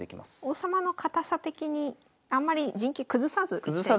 王様の堅さ的にあんまり陣形崩さずいきたいですね。